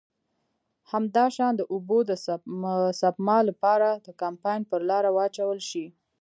همداشان د اوبو د سپما له پاره د کمپاین پر لاره واچول شي.